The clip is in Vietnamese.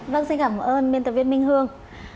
vâng xin cảm ơn biên tập viên minh hương